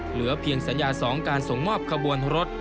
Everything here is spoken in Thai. เหลือเพียงสัญญา๒การส่งมอบขบวนรถ